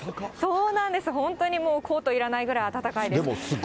そうなんです、本当にもうコートいらないぐらい暖かいです。